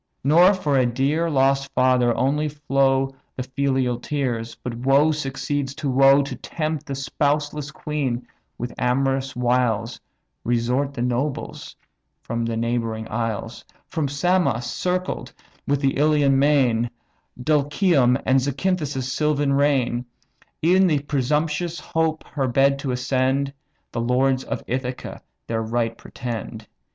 Nor for a dear lost father only flow The filial tears, but woe succeeds to woe To tempt the spouseless queen with amorous wiles Resort the nobles from the neighbouring isles; From Samos, circled with the Ionian main, Dulichium, and Zacynthas' sylvan reign; Ev'n with presumptuous hope her bed to ascend, The lords of Ithaca their right pretend.